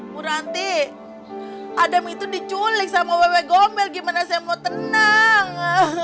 bu nanti adam itu diculik sama bebek gombel gimana saya mau tenang